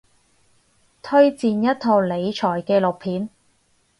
推薦一套理財紀錄片